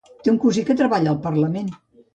Té un cosí que treballa al Parlament.